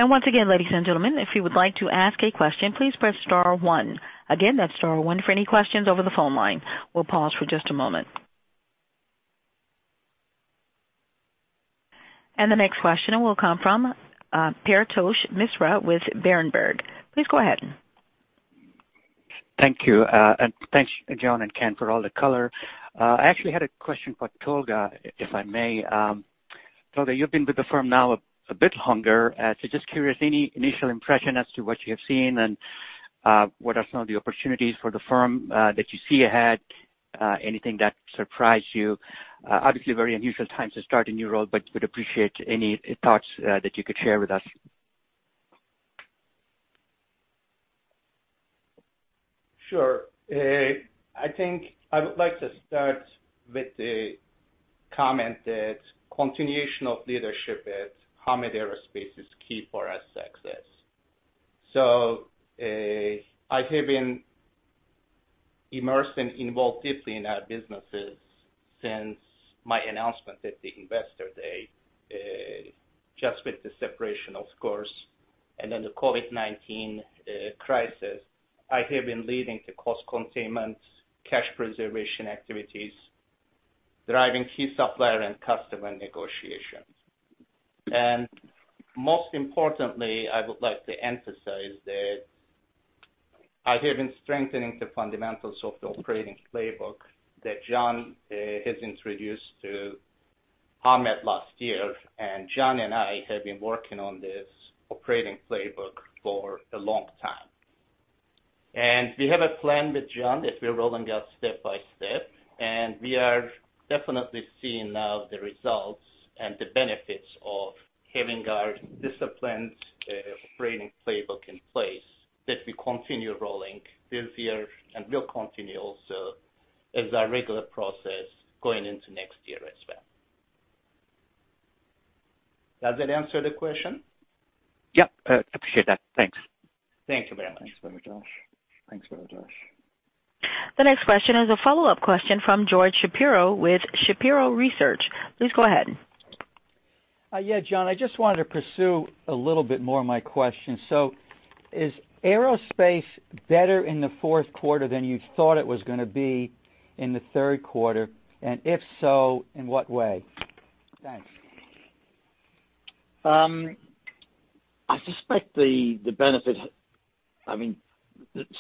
Once again, ladies and gentlemen, if you would like to ask a question, please press star one. Again, that's star one for any questions over the phone line. We'll pause for just a moment. The next question will come from Paretosh Misra with Berenberg. Please go ahead. Thank you. And thanks, John and Ken, for all the color. I actually had a question for Tolga, if I may. Tolga, you've been with the firm now a bit longer. So just curious, any initial impression as to what you have seen and what are some of the opportunities for the firm that you see ahead? Anything that surprised you? Obviously, very unusual times to start a new role, but we'd appreciate any thoughts that you could share with us. Sure. I think I would like to start with the comment that continuation of leadership at Howmet Aerospace is key to our success. So I have been immersed and involved deeply in our businesses since my announcement at the investor day, just with the separation, of course, and then the COVID-19 crisis. I have been leading the cost containment, cash preservation activities, driving key supplier and customer negotiations. And most importantly, I would like to emphasize that I have been strengthening the fundamentals of the operating playbook that John has introduced to Howmet last year. And John and I have been working on this operating playbook for a long time. And we have a plan with John that we're rolling out step by step. We are definitely seeing now the results and the benefits of having our disciplined operating playbook in place that we continue rolling this year and will continue also as our regular process going into next year as well. Does that answer the question? Yep. I appreciate that. Thanks. Thank you very much. Thanks, Josh. Thanks, Josh. The next question is a follow-up question from George Shapiro with Shapiro Research. Please go ahead. Yeah, John, I just wanted to pursue a little bit more of my question. So is aerospace better in the fourth quarter than you thought it was going to be in the third quarter? And if so, in what way? Thanks. I suspect the benefit, I mean,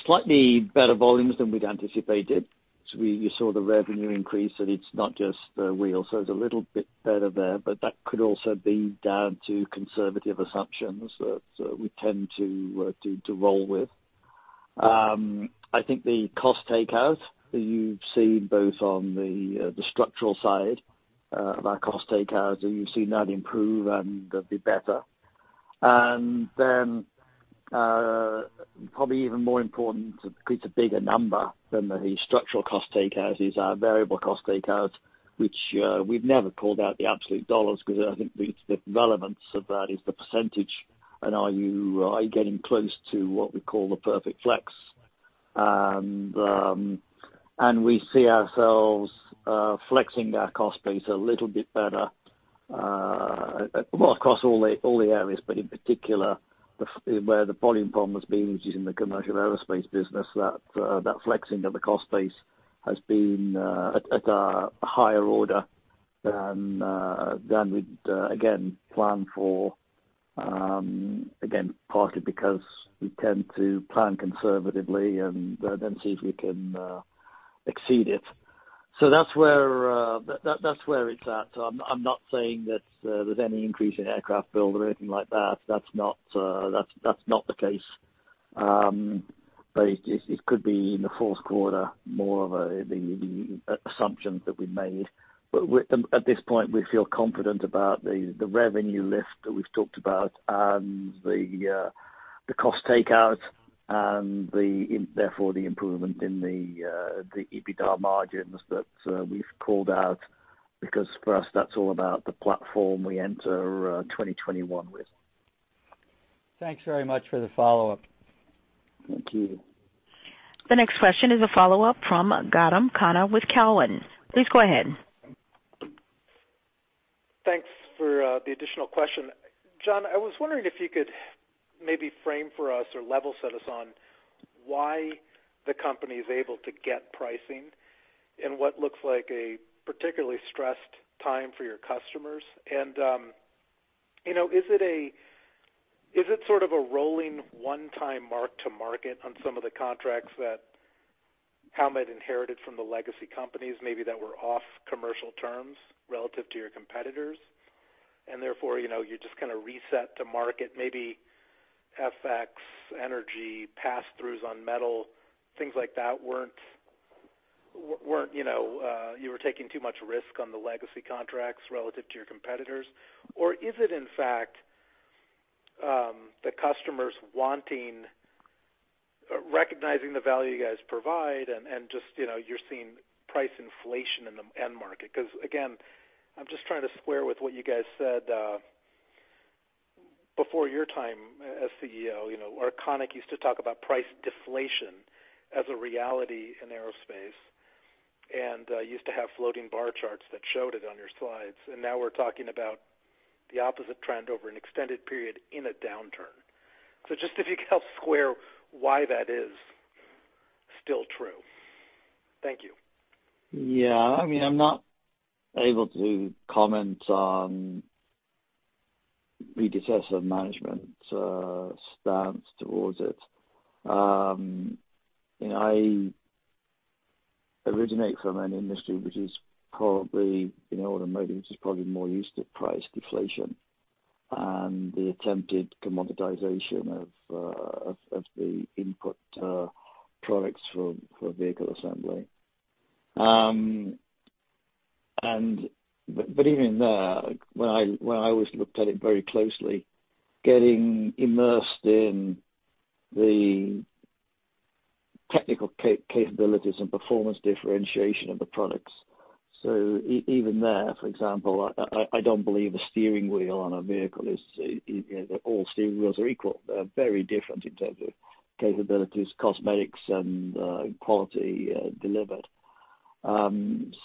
slightly better volumes than we'd anticipated, so you saw the revenue increase, and it's not just the wheels, so it's a little bit better there, but that could also be down to conservative assumptions that we tend to roll with. I think the cost takeout that you've seen both on the structural side of our cost takeout, you've seen that improve and be better, and then probably even more important, it's a bigger number than the structural cost takeout is our variable cost takeout, which we've never called out the absolute dollars because I think the relevance of that is the percentage, and are you getting close to what we call the perfect flex? We see ourselves flexing our cost base a little bit better across all the areas, but in particular, where the volume problem has been using the commercial aerospace business, that flexing of the cost base has been at a higher order than we'd, again, plan for, again, partly because we tend to plan conservatively and then see if we can exceed it. So that's where it's at. I'm not saying that there's any increase in aircraft build or anything like that. That's not the case. But it could be in the fourth quarter, more of the assumptions that we've made. But at this point, we feel confident about the revenue lift that we've talked about and the cost takeout and therefore the improvement in the EBITDA margins that we've called out because for us, that's all about the platform we enter 2021 with. Thanks very much for the follow-up. Thank you. The next question is a follow-up from Gautam Khanna with Cowen. Please go ahead. Thanks for the additional question. John, I was wondering if you could maybe frame for us or level set us on why the company is able to get pricing in what looks like a particularly stressed time for your customers. And is it sort of a rolling one-time mark to market on some of the contracts that Howmet inherited from the legacy companies, maybe that were off commercial terms relative to your competitors? And therefore, you just kind of reset to market, maybe FX, energy, pass-throughs on metal, things like that weren't you were taking too much risk on the legacy contracts relative to your competitors? Or is it, in fact, the customers wanting, recognizing the value you guys provide, and just you're seeing price inflation in the end market? Because again, I'm just trying to square with what you guys said before your time as CEO. Arconic used to talk about price deflation as a reality in aerospace and used to have floating bar charts that showed it on your slides. And now we're talking about the opposite trend over an extended period in a downturn. So just if you could help square why that is still true. Thank you. Yeah. I mean, I'm not able to comment on the decisive management stance towards it. I originate from an industry which is probably in automotive, which is probably more used to price deflation and the attempted commoditization of the input products for vehicle assembly. But even there, when I always looked at it very closely, getting immersed in the technical capabilities and performance differentiation of the products. So even there, for example, I don't believe a steering wheel on a vehicle is all steering wheels are equal. They're very different in terms of capabilities, cosmetics, and quality delivered. So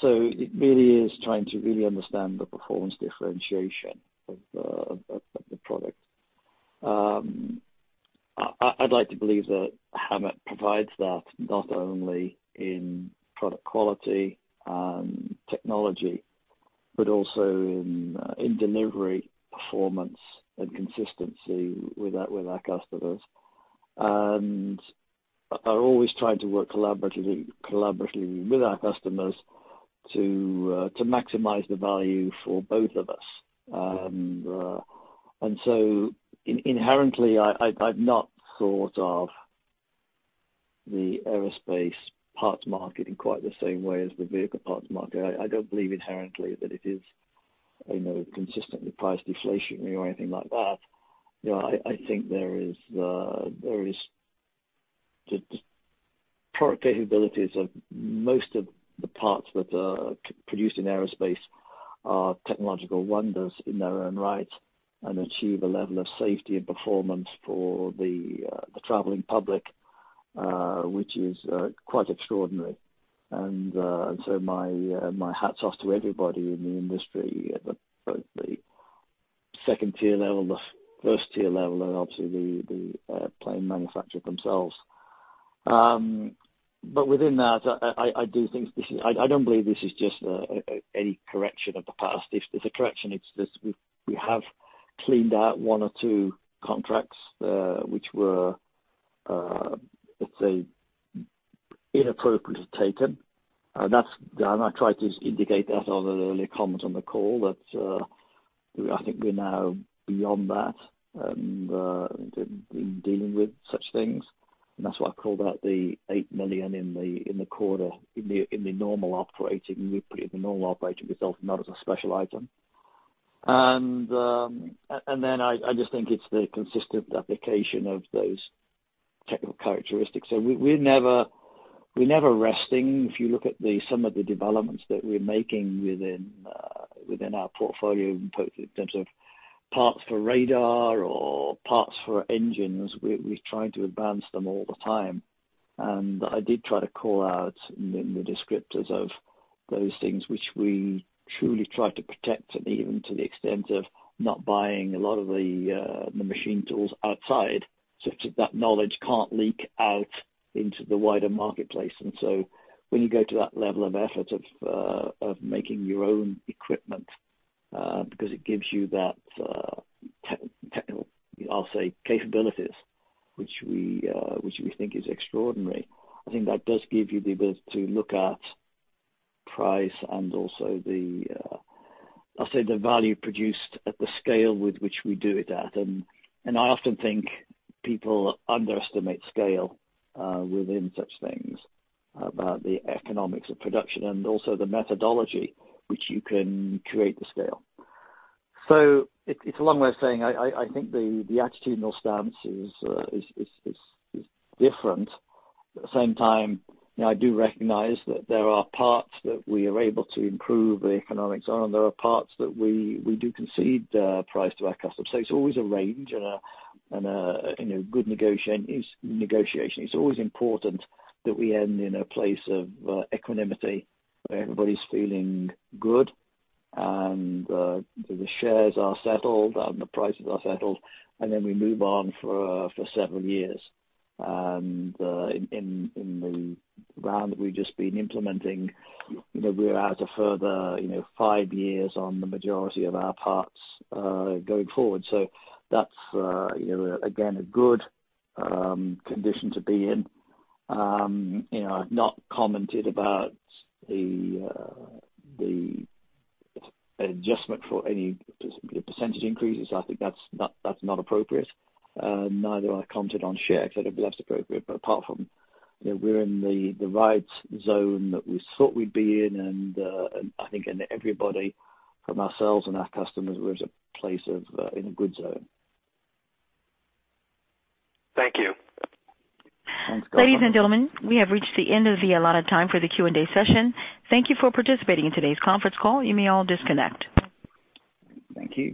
it really is trying to really understand the performance differentiation of the product. I'd like to believe that Howmet provides that not only in product quality and technology, but also in delivery, performance, and consistency with our customers. I'm always trying to work collaboratively with our customers to maximize the value for both of us. And so inherently, I've not thought of the aerospace parts market in quite the same way as the vehicle parts market. I don't believe inherently that it is consistently price deflationary or anything like that. I think there are product capabilities of most of the parts that are produced in aerospace are technological wonders in their own right and achieve a level of safety and performance for the traveling public, which is quite extraordinary. And so my hat's off to everybody in the industry, both the second-tier level, the first-tier level, and obviously the plane manufacturers themselves. But within that, I do think this is. I don't believe this is just any correction of the past. If there's a correction, it's just we have cleaned out one or two contracts which were, let's say, inappropriately taken, and I tried to indicate that on an earlier comment on the call that I think we're now beyond that and dealing with such things, and that's why I call that the $8 million in the quarter in the normal operating. We put it in the normal operating result, not as a special item, and then I just think it's the consistent application of those technical characteristics, so we're never resting. If you look at some of the developments that we're making within our portfolio, in terms of parts for radar or parts for engines, we're trying to advance them all the time. I did try to call out in the descriptors of those things which we truly try to protect, and even to the extent of not buying a lot of the machine tools outside, so that knowledge can't leak out into the wider marketplace. So when you go to that level of effort of making your own equipment because it gives you that technical, I'll say, capabilities, which we think is extraordinary, I think that does give you the ability to look at price and also, I'll say, the value produced at the scale with which we do it at. And I often think people underestimate scale within such things, about the economics of production and also the methodology which you can create the scale. So it's a long way of saying I think the attitudinal stance is different. At the same time, I do recognize that there are parts that we are able to improve the economics on, and there are parts that we do concede price to our customers. So it's always a range and a good negotiation. It's always important that we end in a place of equanimity where everybody's feeling good and the shares are settled and the prices are settled, and then we move on for several years. And in the round that we've just been implementing, we're out a further five years on the majority of our parts going forward. So that's, again, a good condition to be in. I've not commented about the adjustment for any percentage increases. I think that's not appropriate. Neither I commented on shares, though that would be less appropriate. But apart from we're in the right zone that we thought we'd be in, and I think everybody from ourselves and our customers were in a good zone. Thank you. Thanks, Gautam. Ladies and gentlemen, we have reached the end of the allotted time for the Q&A session. Thank you for participating in today's conference call. You may all disconnect. Thank you.